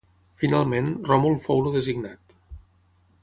Finalment, Ròmul fou el designat.